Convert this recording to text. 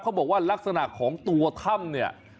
เขาบอกว่ารักษณะของตัวถ้ำเนี่ย